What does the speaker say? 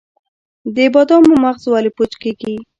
د بادامو مغز ولې پوچ کیږي؟